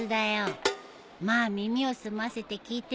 まあ耳を澄ませて聞いてみるといいよ。